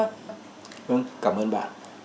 vâng cảm ơn bạn